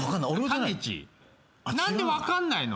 何で分かんないの？